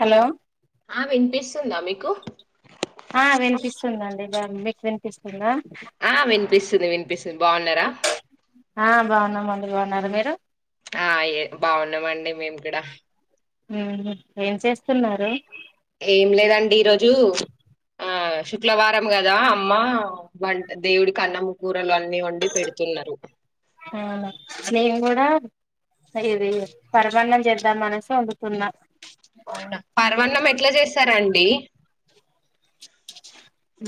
Hello ఆ వినిపిస్తుందా మీకు ఆ వినిపిస్తుందండి. రా మీకు వినిపిస్తుందా. ఆ వినిపిస్తుంది వినిపిస్తుంది బాగున్నారా ఆ బాగున్నామండి బాగున్నారా మీరు ఆ ఏ బాగున్నామండి మేము కూడా ఏం చేస్తున్నారు. ఏం లేదండి ఈరోజు ఆ శుక్లవారం కదా అమ్మా వంట దేవుడికి అన్నముకూ అవునా, నేను కూడా ఇది పరమాన్నం చేద్దాం అనేసి వండుకున్న. అవునా, పర్వన్నం ఎట్లా చేస్తారండి.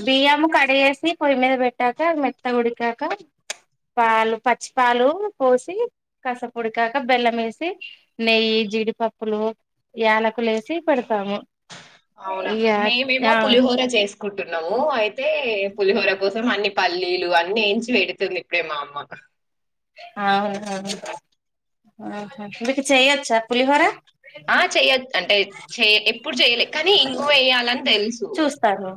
బియ్యం కడిగేస్ ఇది పొయ్యి మీద పెట్టాక మెత్తగ ఉడికాక పాలు పచ్చిపాలు పోసి కసేపుడికాక బెల్లం వేసి నెయ్యి జీడిపప్పులు యాలకులు వేసి పెడతాము. అవునా, ఇగ మేమేమో ఆ పులిహోర చేసు అనుకుంటున్నాము. అయితే పులిహోర కోసం అన్ని పల్లీలు అన్ని వేయించి పెడుతుంది. ఇప్పుడే మా అమ్మ అవునా ఆహ మీకూ చేయొచ్చా పులిహోర. ఆ చెయ్యా అంటే చెయ ఎప్పుడు చెయలే కానీ ఇంగువ వేయాలని తెలుసు చూస్తారు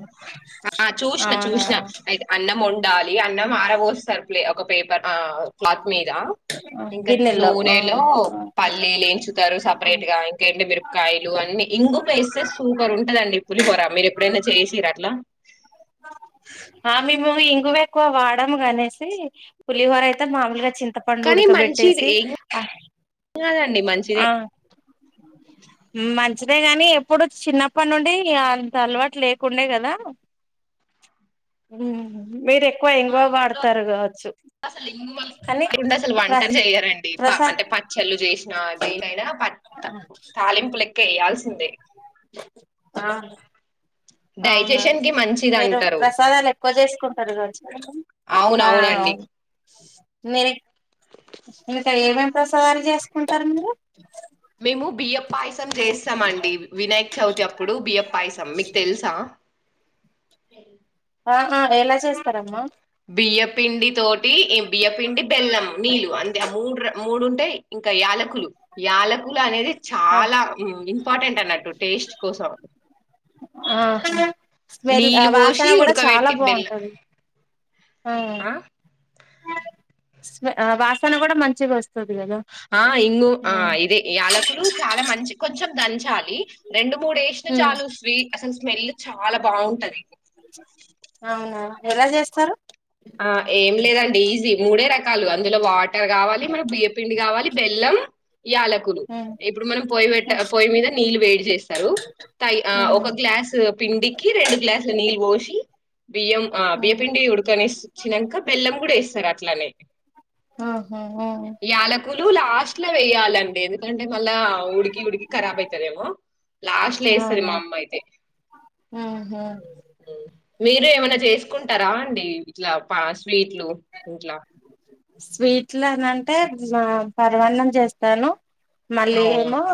ఆ చూసిన చూసిన అవునా అయితే అన్నం వండాలి అన్నం ఆరబోస్తారు ప్లే ఒకే పె క్లాత్ మీద ఇంకా గిన్నెల్లో ఆ నూనెలో పల్లీలు ఏంచుతారు. సపరేట్ గా ఎండు మిరపకాయలు అన్ని ఇంగువ వేస్తే సూపర్ ఉంటదండి పులిహోర మీరు ఎప్పుడైనా చేసిర్ర అట్లా. ఆ మేము ఇంగువ ఎక్కువ వాడము అనేసి పులిహోర అయితే మామూలుగా చి. త్త పండు కానీ మంచిది ఉడకబేట్టేసి ఏం కాదండి మంచిదే ఆ. మంచిదే గానీ ఎప్పుడు చిన్నప్పటి నుండి అంత అలవాటు లేకుండే కదా. మీరే. మా ఇంట్లో అసలు ఇంగువ కానీ లేకుండా వంట ప్రస్ చేయరండి ప్రసాద్ అంటే పచ్చళ్ళు చేసిన దేనినైనా త తాలింపులకి. కెయ్యాల్సిందే. అవున మీరు అంటారు ప్రసాదాలు ఎక్కువ చేసుకుం [unintelligible] ఆ. అవునవునండి మీ. ఇంకా ఏమేమి ప్రసాదాలు చేసుకుంటారు మీరు. మేము బియ్యప్ పాయసం చేస్తామండి వినాయక్ చవితి అప్పుడు బియ్యప్ పాయసం మీకు తెలుసా. [unintelligible] ఆహ ఎలా చేస్తారమ్మా. బియ్యపిండి. తోటి బియ్యపిండి బెల్లం నీళ్లు అంతే ఆ మూడు రా మూడు. ఇంకా యాలకులు యాలకులు అనేది. ఆ చాలా ఇంపార్టెంట్ అన్నట్టు టేస్ట్ కోసం. ఆ స్మెల్ నీళ్ళు వాసన పోసి కూడా చాలా ఉడకబెట్టి బెల్ల బాగుంటది ఆ. వాసన కూడా మంచిగా వస్తుంది. ఆ ఇంగు ఆ ఇదే యాలకులు చాలా మంచి కొంచెం. దంచాలి. రెండు మూడు వేషిన ఉమ్ చాలు స్విట్ అసలు స్మెల్. చాలా బాగుంటది. అవునా ఎలా చేస్తారు. ఆ ఏం లేదండి ఈజీ. మూడే రకాలు అందులో వాటి. చెక్కర కావాలి మనకు బియ్యపిండి కావాలి. బెల్లం. యాలకులు ఉమ్ ఇప్పుడు మనం పొయ్యి పెట్ట పొయ్యి మీద నీళ్లు వేడి చేస్తారు థై ఒక ఉమ్ గ్లాసు పిండికి రెండు గ్లాసులు నీళ్. పోషీ. బియ్యాం ఆ ఉమ్ బియపిండి ఉండకనిస్త్. చ్చినాక బెల్లం కూడా వేస్తారు అట్లానే ఉమ్ ఆహా యాలకులు లాస్ట్ లో వేయాలి అంట ఎందుకు కంటది మళ్ళా ఉడికి ఉడికి కరబ్ అవుతదేమో లాస్ట్ లో ఆ వేస్తుంది మా అమ్మ అయితే అవునా మీరు ఉహు ఏమనా చేసుకుంటారా అండి ఇట్లా పా స్వీట్లు ఇంట్లా స్వీట్లనింటే పర్వాన్నం చేస్తాను మళ్ళీ ఏమో అవునా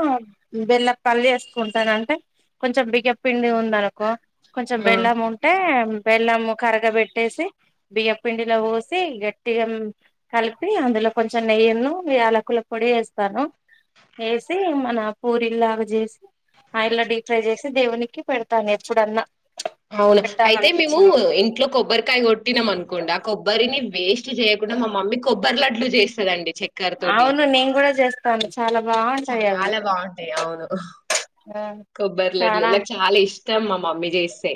బెల్లపల్లి వేసుకుంటాను అంటే కొంచెం బియ్యపు పిండి ఉందనుకో కొంచెం బెల్లం ఉంటే బెల్లం కరగబపెట్టేసి బియ్య పిండిలో పోసి గట్టిగా కలిపి అందులో కొంచెం నెయ్యిను యాలకుల పొడి వేస్తాను వేసి మన పూరిల్లాగా చేసి ఆయిల్ డీప్ ఫ్రై చేసి దేవునికి పెడతాను ఎప్పుడన్నా అవునా అయితే మేము పెట్టాలనిపించినప్పుడు ఇంట్లో కొబ్బరికాయ కొట్టినాం అనుకోండి ఆ కొబ్బరిని వేస్ట్ చేయక మా మమ్మీ కొబ్బరి లడ్లు చేస్తది అండి చె అవును నేను కూడా చేస్తాను చాలా బాగుంటాయి అవి చాలా కొబ్బర్లడ్లు నాకు చాలా ఇష్టం ఇష్టం మా మమ్మీ చేస్తే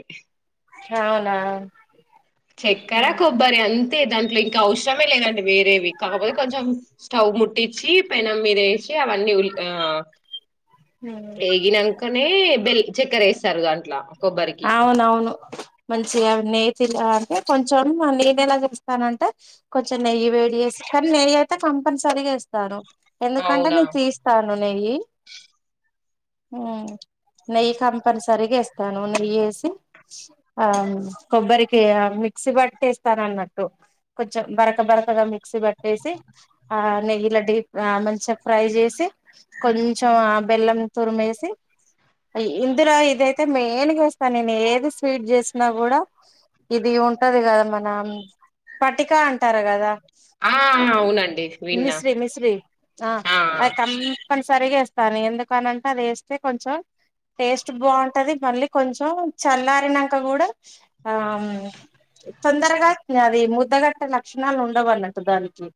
అవునా చక్కరా కొబ్బరి అంత తే దాంట్లో ఇంకా అవసరమే లేదండి వేరేవి కాకపోతే కొంచెం స్టవ్ ముట్టించి పెనం మీద వేసి అవన్నీ ఉల్ ఆ ఏగి నంక బెల్ చక్కెర వేస్తారు దాంట్లో అవునౌవును మంచిగా నె చిల్లా అంటే కొంచెం నేనలా చుపిస్తానంటే, కొంచెం నెయ్యి వేడిచేసి కానీ నెయ్యైతే కంపంన్ సరీగా ఎస్తాను. ఎందుకంటే అవునా! నేన్ తీస్తా నా నెయ్యి, ఉ నెయ్యి కంపంన్ సరిగ ఎస్తాను. య్యేసి ఆ కొబ్బరికియ ఆ మిక్సి బట్టెస్తానన్నట్టు కొంచం బరక బరకగా మిక్సీ బట్టేసి, ఆ నెయ్యి లడ్డె ఆ మంచప్ ఫ్రై చేసి కొంచ్చం ఆ బెల్లం తురుమేసి అయ్ ఇందులో ఇదైతే మెయిన్గా పన్నన్నేది స్వీట్ జేస్నా గుడా, ఇది ఉంటది కదా మన పట్టికా అంటారు కదా. ఆ అవునండి విన్నా మిశ్రీ ఆ క్కన్ సరిగా ఏస్తారు ఎందుకనింటే అది ఏస్తే కొంచెం, టేస్ట్ బావుంటది మళ్ళీ కొంచ్ చో చల్లారినంక కూడా ఆ మ్ తొందరగా ఇంగది ముద్దగట్టే లక్షణాలు ఉండవ్ అన్నట్టు దానికి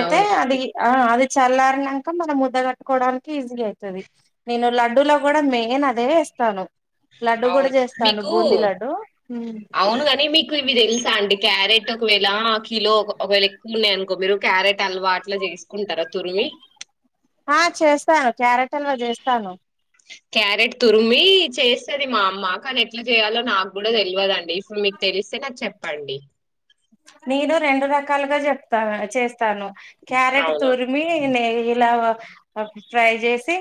ఐతే అదిగి ఆ అది చల్లార్ న్నాంక మనం ముద్ద కట్టుకోవడానికి ఈజీ అయితది, నేను లడ్డూ లో గుడా మెయిన్ అదే ఎస్తాను. అవును మీకు, ఔను కని మీకు ఇవి తెల్ కాండి క్యారెట్ ఒకవేళ కిలో ఒక్ ఒకవేళ ఎక్కు ఉన్నాయనుకో మీరు క్యారెట్ అలవాట్లొ జేస్కుంటారా తురిమి ఆ చేస్తాను క్యారెట్ హల్వా జేస్తాను. క్యారెట్ తురిమి చేస్సది మా అమ్మ కానీ ఎట్ల జేయాలో నాగ్గుడా థెల్వదండి. సో మీక్ తెలిస్తే నాక్ చెప్పండి. నేను రెండు రకాలుగా చెప్తావ అచే స్తాను క్యారెట్ అవునా? తురిమి నెయ్యిల వ ఆ ఫ్రై చేసి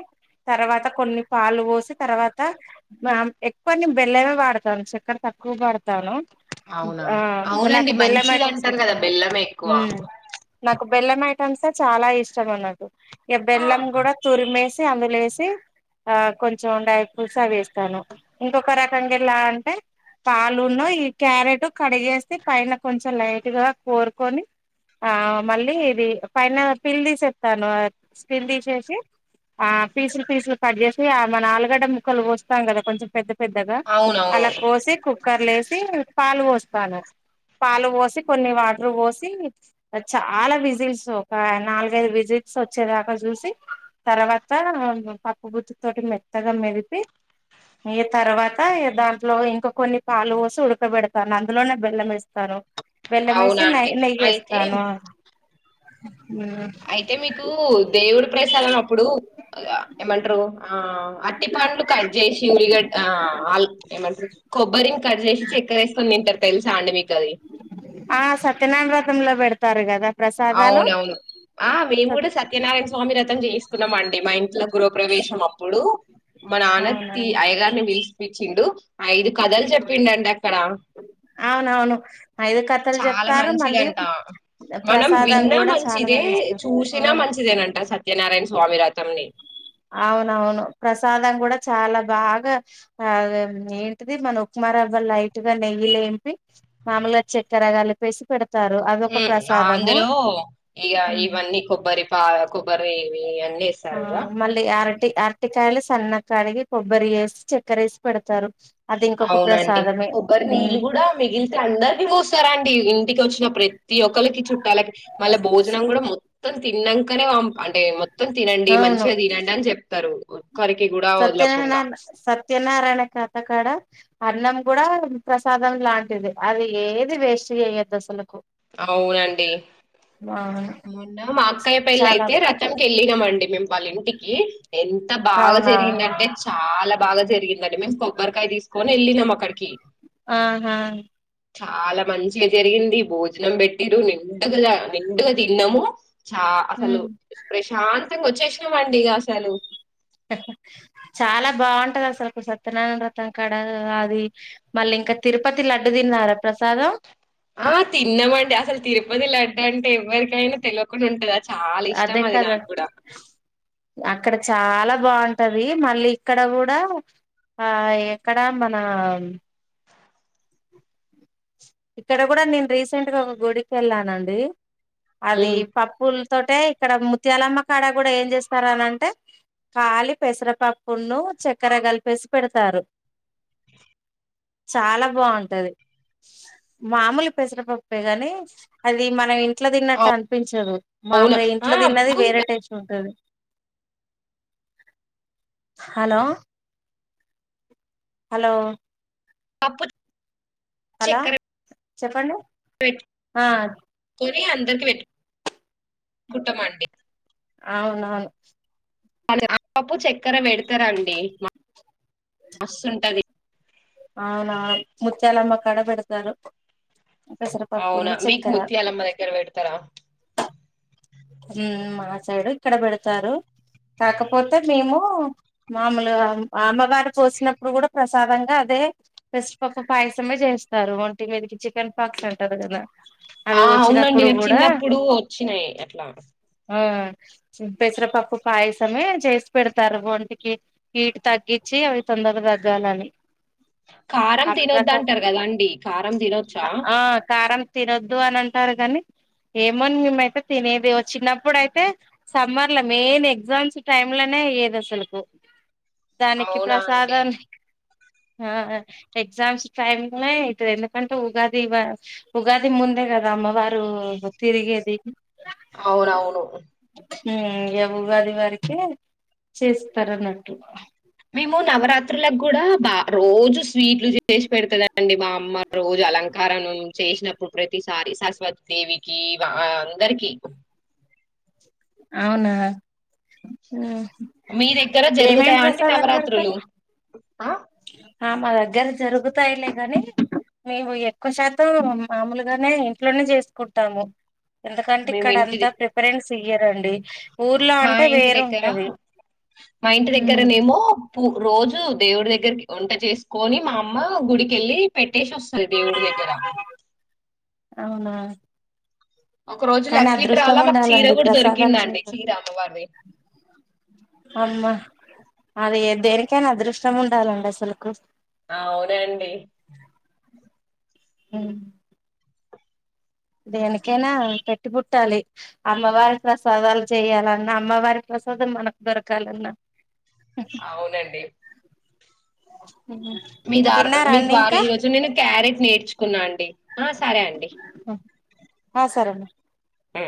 తర్వాత కొన్ని పాలు పోసి తర్వాత మామ్ ఎక్కువ నే బెల్లమే వాడతాను చక్కర తక్కువ వాడ్తాను. ఆ మన మంచిది అంటరు కదా బెల్లమె ఎక్కువ ఒక బెల్లం ఐటమ్సె చాలా ఇష్టం అన్నటు ఇగ బెల్లం ఆహా! కూడా తురిమేస్ సి అందులే ఎసి, ఆ కొంచెం డై ఫ్రూస్ అవి ఏస్తాను, ఇంకొక రకంగా ఎలా అంటే పాలున్న ఈ క్యారెట్ కడిగేసి పైన కొంచెం లైట్గా కోరుకొని, ఆ మళ్ళీ ఇది పైన పిల్ తీసేత్తాను అ స్కిన్ తీసేసి, ఆ పీసుల్ పీసుల్ కట్ జేసి అ మన ఆలుగడ్డ ముక్కలు వొస్తాం కదా కొంచెం పెద్ద పెద్దగా అవునవును. అలా కోసి కు క్కర్ లేసి పాలు పోస్తాను. పాలు పోసి కొన్ని వాటర్ పోసి చాలా విజిల్స్ ఒక నాలుగైదు విజిల్స్ వచ్చేదాకా జుసి, తర్వాత పప్పు గుత్తి తోటి మెత్తగా మెదిపి, ఈ తర్వాత ఇ దాంట్లో ఇంకొ కొన్ని పాలు వోసి ఉడకబెడతానందులోనే బెల్లంమేస్ తను బెల్లమేసి అవునా నైయ్ అండి. అయితే నెయ్యేస్తాను. అయితే మీకు దేవుడు ప్రసాదం అప్పుడు ఆ ఏమంట్రరు ఆ అట్టి పండ్లు కట్ జేసి, ఉల్లిగడ్డా ఆల్ ఏమంట్రు కొబ్బరిన్ కట్ జేసి చక్కెర ఏసుక్కొని తింటరు తెల్సా అండి మీకది. లో వెడతారు కదా. ప్రసాదాలు అవునవును ఆ మేము కూడా సత్యనారాయణ స్వామి రతం జేస్ కున్నమండి మా ఇంట్లో గృహప్రవేశం అప్పుడు మా నాన్న తీ అయ్యగారిని పిలిపిచ్చిండు ఐదు కథలు చెప్పిండంట అక్కడ అవునవును ఐదు కథలు చాలా చెప్తారు మళ్ళీ మంచిదంట మనం ప్రసాదం విన్నా కూడా చాలా మంచిదే బాగా ఇస్తారు చూసినా మంచిదేనంట అ సత్యనారాయణ స్వామి రథంని అవునవును ప్రసాదం కూడా చాలా బాగా ఆ ఏంటిది మన ఉక్మ రవ్వ లైట్ గా నెయ్యి లేేంపి మామూలుగ చక్కెర కలిపేసి పెడత ఏ అందులో ఇగ ఇవన్నీ కొబ్బరి పా కొబ్బరి ఇవి ఇవన్నీ ఏస్తారు కదా ఈ ఆరటికాయలు సన్నగా కడిగి కొబ్బరి వేసి చక్కర వేసి పెడతారు అది ఇంకొక అవునండి ప్రసాదమే కొబ్బరి నీళ్ళు కూడా మిగిలితే అందరికి పోస్తారా అండి ఇంటికి వచ్చిన ప్ర ప్రతి ఒకరికి చుట్టలా కి మళ్ళీ భోజనం కూడా మొత్తం తిన్నాంకనే పం అంటే మొత్తం తినండి మంచిగా తినండి అని చెప్తారు కొ సత్యనారాయ సత్యనారాయణ కథకాడ అన్నం కూడా ప్రసాదం లాంటిది అది ఏది వేస్ట్ చేయ్యద్దు అసలకు అవునండి మొన్న మా అక్కయ్య పెళ్లి చాలా అయితే వ్రతానికి వెళ్ళినమండి మేము వాళ్ళింటికి కీ ఎంత బాగా అవునా జరిగిందంటే చాలా బాగా జరిగిందండి మీన్స్ కొబ్బరికాయ తీసుకొని వెళ్ళినం అక్కడికి ఆహా చాలా మంచిగ జరిగింది భోజనం పెట్టిరు నిండుగా నిండుగా తిన్నము చా అసలు ఉమ్ ప్రశాంత్ తంగా వచ్చేసినామండి ఇక అసలు చాలా బాగుంటది అసలు సత్యనారాయణ వ్రతం కాడ అది మళ్ళీ ఇంకా తిరుపతి లడ్డు తిన్నారా ప్రసాదం ఆ తిన్నమండి అసలు తిరుపతి లడ్డు అంటే ఎవరికైనా తెలియకుండా ఉంటదా చాలా అదే ఇష్టం అది కదా నాకు కూడా అక్కడ చాలా బాగుంటది మళ్ళీ ఇక్కడ కూడా ఆ ఎక్కడ మన ఇక్కడ కూడా నేను రీసెంట్ గా ఒక గుడికెళ్ళానండి అది ఉమ్ పప్పుల్ తోటే ఇక్కడ ముత్యాలమ్మ కాడ కూడా ఏం చేస్తారు అనంటే కాలి పెసరపప్పును చక్కెర కలిపేసి పెడతారు చాలా బాగుంటది మామూలు పెసరపప్పే గాని అది మన ఇంట్లో తిన్నట్టు అనిపించదు అవును మామర ఆ ఇంట్లో తిన్నది మాకు వేరే టైస్ ఉంటు హలో హలో పప్పు హలో చక్కెర చెప్పండి ఆ పెట్టుకొని అందరికి వెట్ కుట్టమండి అవునవును [unintelligible] చక్కెర పెడతారండి మస్తుంటది అవునా ముచ్చ్యాలమ్మ కడ పెడతారు అవునా పెసరపప్పును మీకు చక్కెర ముత్యాలమ్మ దగ్గర పెడతారా మా సైడు ఇక్కడ పెడతారు కాకపోతే మేము మామూలు అమ్మగారు కోసినప్పుడు కూడా సధంగా అదే పెసరపప్పు పాయసమే చేస్తారు, ఒంటి మీదకి చికెన్ పాక్స్ అంటారు కదా అవి ఆ అవునండి వచ్చినప్పుడు కూడా చిన్నప్పుడు వచ్చినాయి లా ఆ పెసరపప్పు పాయసమే చేసి పెడతారు ఒంటికి హీటు తగ్గించి అవి తొందర తగ్గాలని కారం తినొద్ అప్రత అంటారు కదా అండి కారం తినొచ్చా టారు గాని ఏమోని మేమైతే తినేది చిన్నప్పుడు అయితే సమ్మర్ లో మెయిన్ ఎగ్జామ్స్ టైమ్ లోనే అయ్యేదు అసలకు దానికి అవునా అండి ప్రసాదాన్ని ఆ ఎగ్జామ్స్ టైమ్నే ఇటు ఎందుకంటే ఉగాది ఉగాది ముందే కదా అమ్మ వారు తిరిగేది అవునవును ఉ ఉగాది వారికే చేస్తారు అన్నట్టు మేము నవరాత్రులకు కూడా బా రోజు స్వీట్లు చేసి పెడుతుందిండి, మా అమ్మ రోజు అలంకారం చేసినప్పుడు ప్రతిసారి సరస్వతి దేవికి అందరికి అవునా మీ దగ్గర ఏమేం జరుగుతాయా అంటే ప్రసాదాలు నవరాత్రులు పెడతారు ఆ మా దగ్గర జరుగుతాయిలే గాని మేము ఎక్కువ శాతం మామూలుగానే ఇంట్లోనే చేసుకుంటాము ఎందుకంటే మేము ఇక్కడ అంతా ఇంటిది ప్రిఫరెన్స్ తీయరాండి మా ఇంటి దగ్గర మా ఇంటి హ్మ్ దగ్గరనేమో పూ రోజు దేవుడి దగ్గరకి వంట చేసుకొని, మా అమ్మ గుడికిళ్ళి పెట్టేసి వస్తంది దేవుడి దగ్గర అవునా ఒక రోజు కానీ లక్కి అదృష్టం ట్రాల మాకు చీర ఉండాలండి కూడా ప్రసాదాలు దొరికిందండి చేయడం చీర అమ్మవారిది అదే దేనికైనా అదృష్టం ఉండాలండి అసలులకు అవునండి ఉ దేనికైనా పెట్టి పుట్టాలి అమ్మవారి ప్రసాదాలు చెయ్యాలన్నా అమ్మవారి ప్రసాదం మనకు దొరకాలన్నా అవునండి మీ దారా తిన్నారా మీ అండి ద్వారా ఇంకా ఈరోజు నేను క్యారెట్ నేర్చుకున్నా అండి ఆ సరే అండి ఆ సరే ఉ